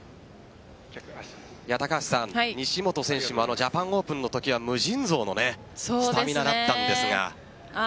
高橋さん西本選手もジャパンオープンのときは無尽蔵のスタミナだったんですが。